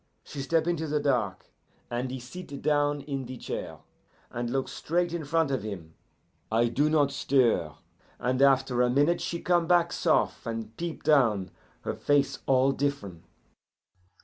She step into the dark, and he sit down in the chair, and look straight in front of him. I do not stir, and after a minute she come back sof', and peep down, her face all differen'.